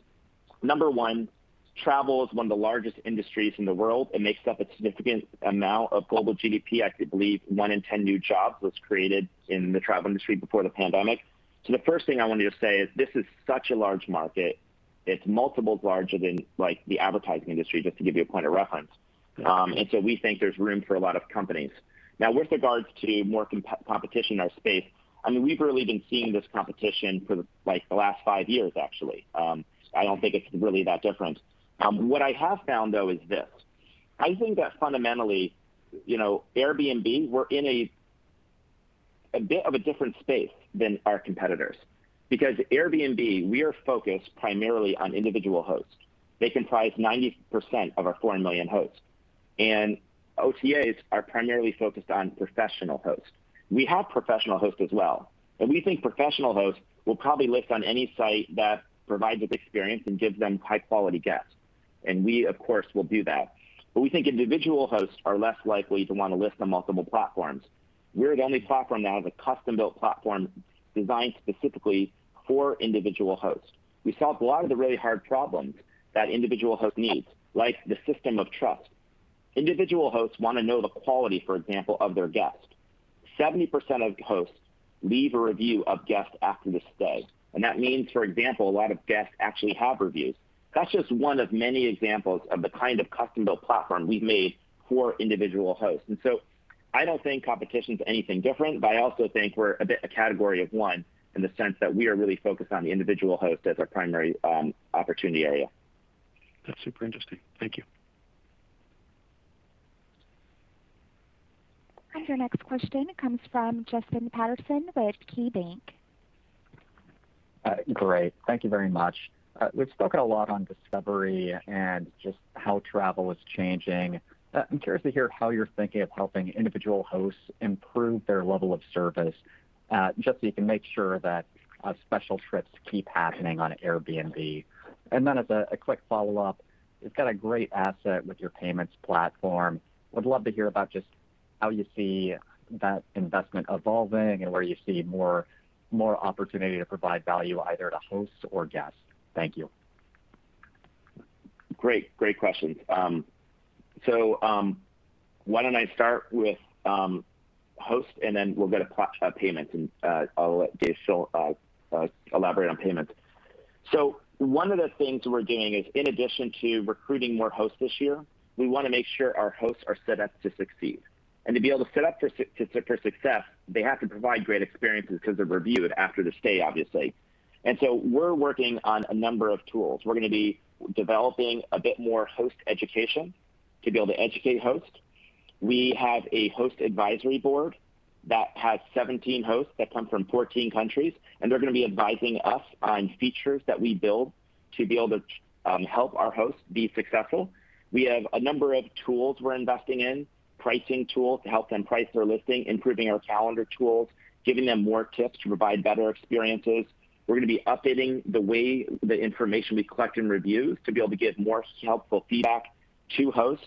Number one, travel is one of the largest industries in the world. It makes up a significant amount of global GDP. I believe one in 10 new jobs was created in the travel industry before the pandemic. The first thing I wanted to say is this is such a large market. It's multiples larger than the advertising industry, just to give you a point of reference. Okay. We think there's room for a lot of companies. With regards to more competition in our space, we've really been seeing this competition for the last five years, actually. I don't think it's really that different. What I have found, though, is this. I think that fundamentally, Airbnb, we're in a bit of a different space than our competitors because Airbnb, we are focused primarily on individual hosts. They comprise 90% of our four million hosts. OTAs are primarily focused on professional hosts. We have professional hosts as well, and we think professional hosts will probably list on any site that provides a good experience and gives them high-quality guests, and we of course will do that. We think individual hosts are less likely to want to list on multiple platforms. We're the only platform now that's a custom-built platform designed specifically for individual hosts. We solve a lot of the really hard problems that individual hosts need, like the system of trust. Individual hosts want to know the quality, for example, of their guests. 70% of hosts leave a review of guests after the stay. That means, for example, a lot of guests actually have reviews. That's just one of many examples of the kind of custom-built platform we've made for individual hosts. I don't think competition's anything different, but I also think we're a bit a category of one in the sense that we are really focused on the individual host as our primary opportunity area. That's super interesting. Thank you. Your next question comes from Justin Patterson with KeyBanc. Great. Thank you very much. We've spoken a lot on discovery and just how travel is changing. I'm curious to hear how you're thinking of helping individual hosts improve their level of service, just so you can make sure that special trips keep happening on Airbnb. As a quick follow-up, you've got a great asset with your payments platform. Would love to hear about just how you see that investment evolving and where you see more opportunity to provide value either to hosts or guests. Thank you. Great questions. Why don't I start with hosts, and then we'll go to payments, and I'll let Dave elaborate on payments. One of the things we're doing is, in addition to recruiting more hosts this year, we want to make sure our hosts are set up to succeed. To be able to set up for success, they have to provide great experiences because they're reviewed after the stay, obviously. We're working on a number of tools. We're going to be developing a bit more host education to be able to educate hosts. We have a Host Advisory Board that has 17 hosts that come from 14 countries, and they're going to be advising us on features that we build to be able to help our hosts be successful. We have a number of tools we're investing in, pricing tools to help them price their listing, improving our calendar tools, giving them more tips to provide better experiences. We're going to be updating the way the information we collect in reviews to be able to give more helpful feedback to hosts.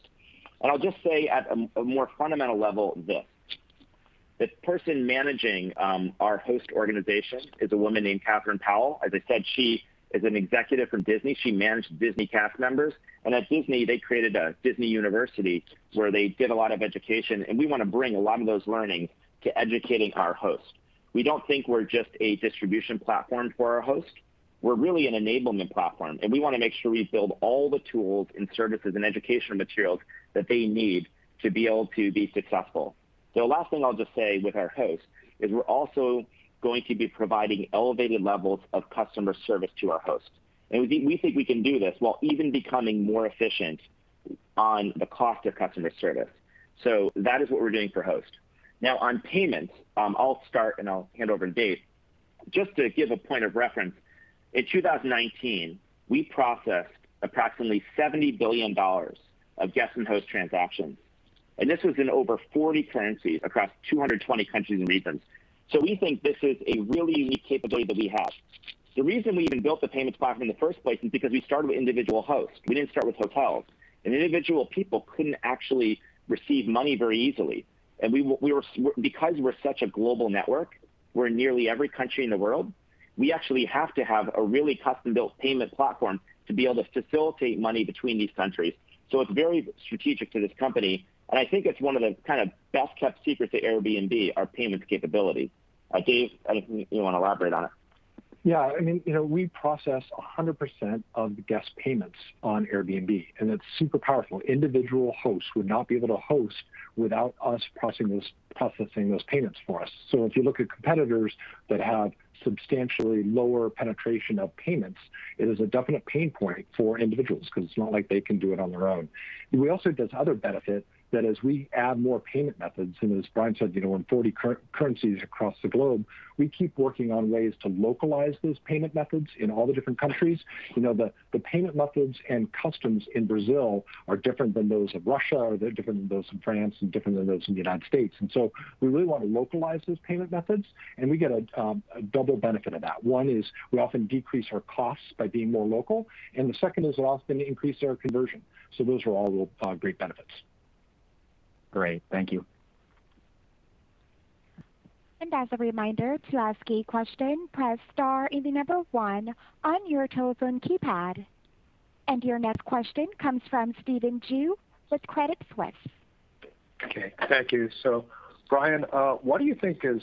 I'll just say at a more fundamental level. The person managing our host organization is a woman named Catherine Powell. As I said, she is an executive from Disney. She managed Disney cast members. At Disney, they created a Disney University where they did a lot of education, and we want to bring a lot of those learnings to educating our hosts. We don't think we're just a distribution platform for our hosts. We're really an enablement platform, and we want to make sure we build all the tools and services and educational materials that they need to be able to be successful. The last thing I'll just say with our hosts is we're also going to be providing elevated levels of customer service to our hosts. We think we can do this while even becoming more efficient on the cost of customer service. That is what we're doing for hosts. On payments, I'll start and I'll hand over to Dave. Just to give a point of reference, in 2019, we processed approximately $70 billion of guest and host transactions, and this was in over 40 currencies across 220 countries and regions. We think this is a really unique capability that we have. The reason we even built the payments platform in the first place is because we started with individual hosts. We didn't start with hotels. Individual people couldn't actually receive money very easily. Because we're such a global network, we're in nearly every country in the world, we actually have to have a really custom-built payment platform to be able to facilitate money between these countries. It's very strategic to this company, and I think it's one of the best-kept secrets at Airbnb, our payments capability. Dave, I don't know if you want to elaborate on it. Yeah. We process 100% of the guests' payments on Airbnb, and it's super powerful. Individual hosts would not be able to host without us processing those payments for us. If you look at competitors that have substantially lower penetration of payments, it is a definite pain point for individuals because it's not like they can do it on their own. We also get this other benefit that as we add more payment methods, and as Brian said, in 40 currencies across the globe, we keep working on ways to localize those payment methods in all the different countries. The payment methods and customs in Brazil are different than those of Russia, or they're different than those in France, and different than those in the United States. We really want to localize those payment methods, and we get a double benefit of that. One is we often decrease our costs by being more local, and the second is we often increase our conversion. Those are all great benefits. Great. Thank you. As a reminder, to ask a question, press star and the number one on your telephone keypad. Your next question comes from Stephen Ju with Credit Suisse. Okay. Thank you. Brian, what do you think is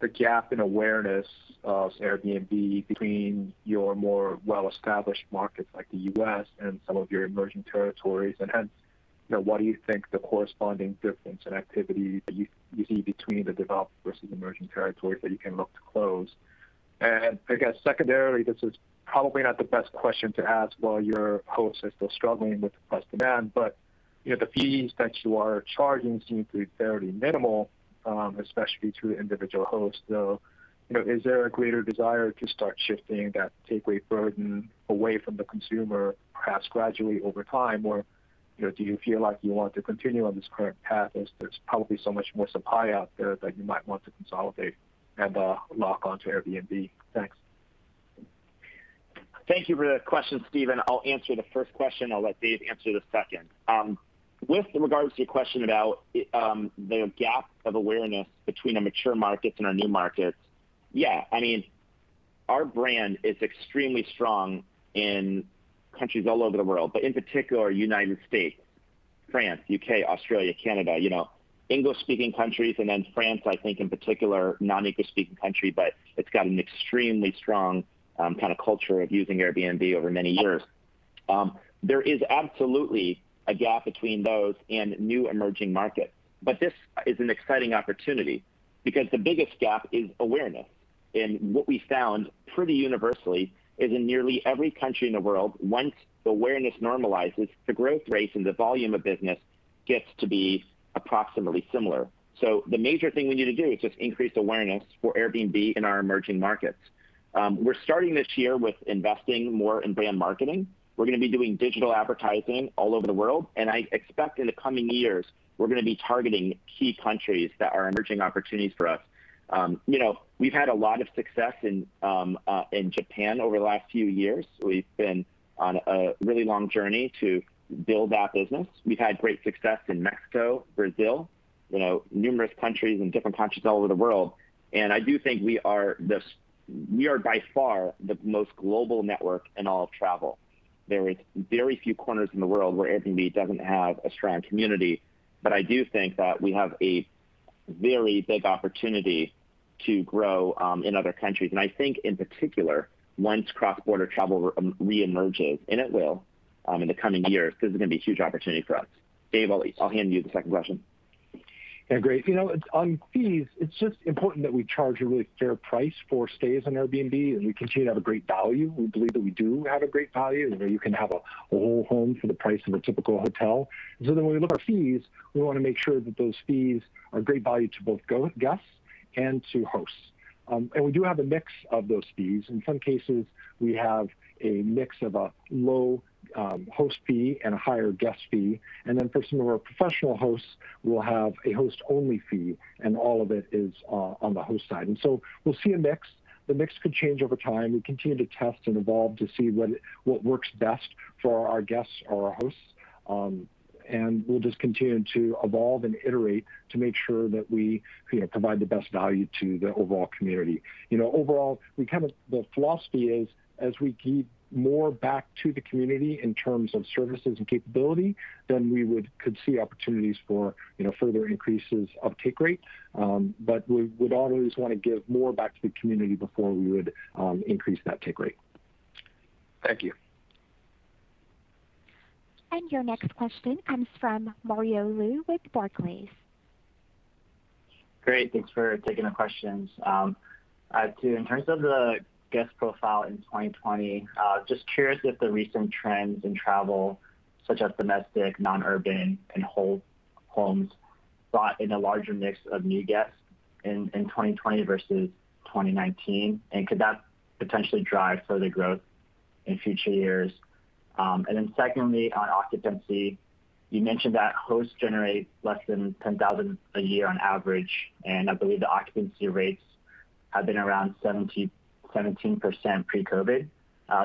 the gap in awareness of Airbnb between your more well-established markets like the U.S. and some of your emerging territories? What do you think the corresponding difference in activity that you see between the developed versus emerging territories that you can look to close? I guess secondarily, this is probably not the best question to ask while your hosts are still struggling with the price demand, but the fees that you are charging seem to be fairly minimal, especially to individual hosts. Is there a greater desire to start shifting that takeaway burden away from the consumer, perhaps gradually over time? Do you feel like you want to continue on this current path as there's probably so much more supply out there that you might want to consolidate and lock onto Airbnb? Thanks. Thank you for the question, Stephen. I'll answer the first question. I'll let Dave answer the second. With regards to your question about the gap of awareness between our mature markets and our new markets, yeah, our brand is extremely strong in countries all over the world, but in particular United States, France, U.K., Australia, Canada, English-speaking countries, and then France, I think in particular, a non-English-speaking country, but it's got an extremely strong kind of culture of using Airbnb over many years. There is absolutely a gap between those and new emerging markets. This is an exciting opportunity because the biggest gap is awareness. What we found pretty universally is in nearly every country in the world, once awareness normalizes, the growth rates and the volume of business gets to be approximately similar. The major thing we need to do is just increase awareness for Airbnb in our emerging markets. We're starting this year with investing more in brand marketing. We're going to be doing digital advertising all over the world, and I expect in the coming years, we're going to be targeting key countries that are emerging opportunities for us. We've had a lot of success in Japan over the last few years. We've been on a really long journey to build that business. We've had great success in Mexico, Brazil, numerous countries and different countries all over the world, and I do think we are by far the most global network in all of travel. There is very few corners in the world where Airbnb doesn't have a strong community. I do think that we have a very big opportunity to grow in other countries. I think in particular, once cross-border travel re-emerges, and it will in the coming years, this is going to be a huge opportunity for us. Dave, I'll hand you the second question. Yeah, great. On fees, it's just important that we charge a really fair price for stays on Airbnb, and we continue to have a great value. We believe that we do have a great value, you can have a whole home for the price of a typical hotel. When we look at our fees, we want to make sure that those fees are great value to both guests and to hosts. We do have a mix of those fees. In some cases, we have a mix of a low host fee and a higher guest fee. For some of our professional hosts, we'll have a host-only fee, and all of it is on the host side. We'll see a mix. The mix could change over time. We continue to test and evolve to see what works best for our guests or our hosts. We'll just continue to evolve and iterate to make sure that we provide the best value to the overall community. Overall, the philosophy is as we give more back to the community in terms of services and capability, then we could see opportunities for further increases of take rate. We would always want to give more back to the community before we would increase that take rate. Thank you. Your next question comes from Mario Lu with Barclays. Great. Thanks for taking the questions. In terms of the guest profile in 2020, just curious if the recent trends in travel, such as domestic, non-urban, and whole homes, brought in a larger mix of new guests in 2020 versus 2019, and could that potentially drive further growth in future years? Secondly, on occupancy, you mentioned that hosts generate less than $10,000 a year on average, and I believe the occupancy rates have been around 17% pre-COVID.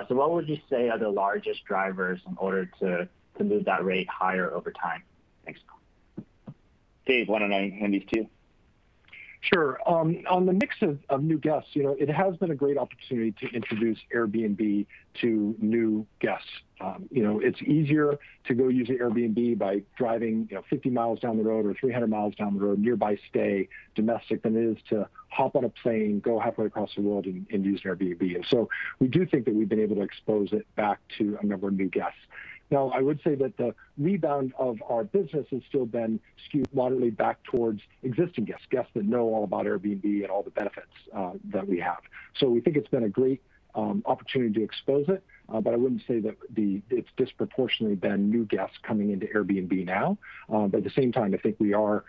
What would you say are the largest drivers in order to move that rate higher over time? Thanks. Dave, why don't I hand these to you? Sure. On the mix of new guests, it has been a great opportunity to introduce Airbnb to new guests. It's easier to go use an Airbnb by driving 50 mi down the road or 300 mi down the road, nearby stay, domestic, than it is to hop on a plane, go halfway across the world, and use an Airbnb. We do think that we've been able to expose it back to a number of new guests. Now, I would say that the rebound of our business has still been skewed moderately back towards existing guests that know all about Airbnb and all the benefits that we have. We think it's been a great opportunity to expose it. I wouldn't say that it's disproportionately been new guests coming into Airbnb now. At the same time, I think we are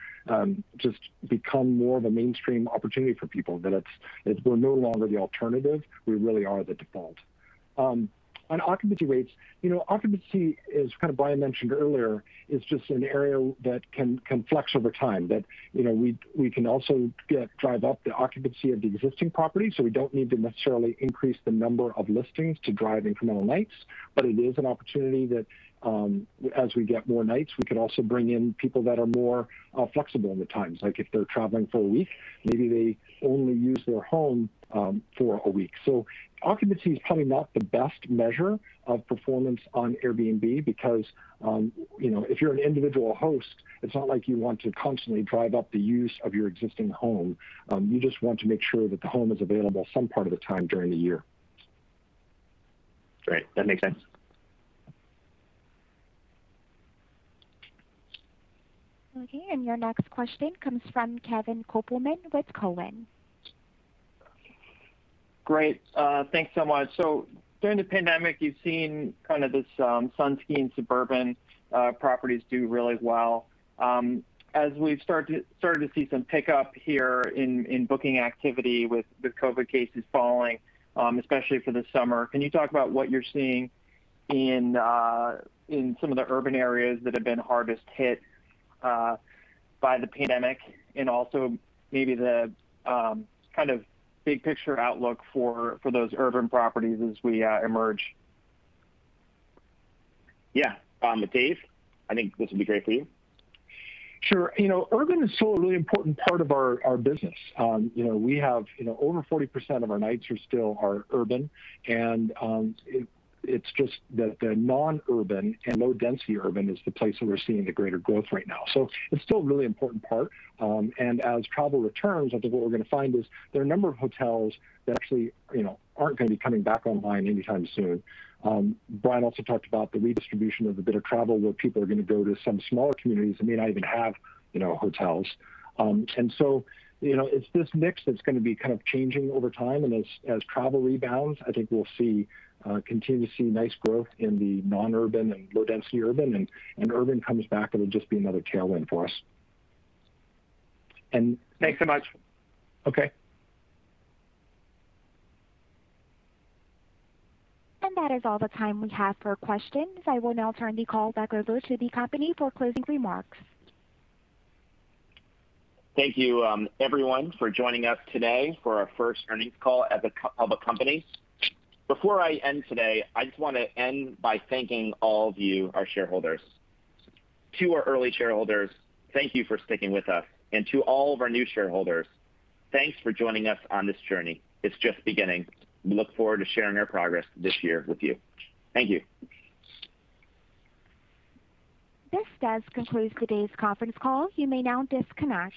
just become more of a mainstream opportunity for people, that we're no longer the alternative, we really are the default. On occupancy rates, occupancy, as Brian mentioned earlier, is just an area that can flex over time. We can also drive up the occupancy of the existing property, so we don't need to necessarily increase the number of listings to drive incremental nights. It is an opportunity that, as we get more nights, we could also bring in people that are more flexible in the times. Like if they're traveling for a week, maybe they only use their home for a week. Occupancy is probably not the best measure of performance on Airbnb because, if you're an individual host, it's not like you want to constantly drive up the use of your existing home. You just want to make sure that the home is available some part of the time during the year. Great. That makes sense. Okay, your next question comes from Kevin Kopelman with Cowen. Great. Thanks so much. During the pandemic, you've seen this sun and ski and suburban properties do really well. As we've started to see some pickup here in booking activity with the COVID cases falling, especially for the summer, can you talk about what you're seeing in some of the urban areas that have been hardest hit by the pandemic, and also maybe the big picture outlook for those urban properties as we emerge? Yeah. Dave, I think this would be great for you. Sure. Urban is still a really important part of our business. Over 40% of our nights still are urban, it's just that the non-urban and low-density urban is the place where we're seeing the greater growth right now. It's still a really important part. As travel returns, I think what we're going to find is there are a number of hotels that actually aren't going to be coming back online anytime soon. Brian also talked about the redistribution of a bit of travel where people are going to go to some smaller communities that may not even have hotels. It's this mix that's going to be changing over time, and as travel rebounds, I think we'll continue to see nice growth in the non-urban and low-density urban, and urban comes back, it'll just be another tailwind for us. Thanks so much. Okay. That is all the time we have for questions. I will now turn the call back over to the company for closing remarks. Thank you everyone for joining us today for our first earnings call as a public company. Before I end today, I just want to end by thanking all of you, our shareholders. To our early shareholders, thank you for sticking with us. To all of our new shareholders, thanks for joining us on this journey. It's just beginning. We look forward to sharing our progress this year with you. Thank you. This does conclude today's conference call. You may now disconnect.